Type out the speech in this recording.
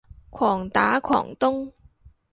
狂打狂咚